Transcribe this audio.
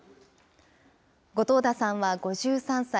後藤田さんは５３歳。